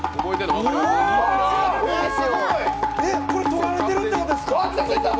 これ、撮られてるってことですか？